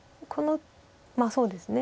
まあそうですね。